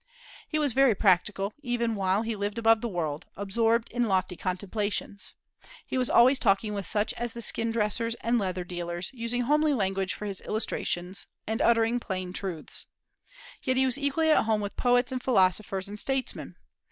He was very practical, even while he lived above the world, absorbed in lofty contemplations. He was always talking with such as the skin dressers and leather dealers, using homely language for his illustrations, and uttering plain truths. Yet he was equally at home with poets and philosophers and statesmen.